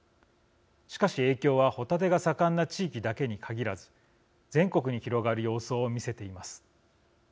しかし、影響はホタテが盛んな地域だけに限らず全国に広がる様相を見せています。